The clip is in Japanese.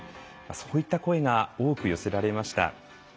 そういった声が多く寄せられました。